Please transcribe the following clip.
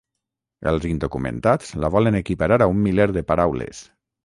Els indocumentats la volen equiparar a un miler de paraules.